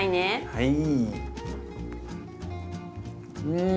はい。